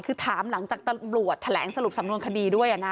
คือถามหลังจากตำรวจแถลงสรุปสำนวนคดีด้วยนะ